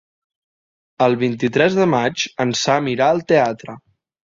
El vint-i-tres de maig en Sam irà al teatre.